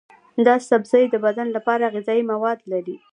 دا سبزی د بدن لپاره طبیعي غذایي مواد لري.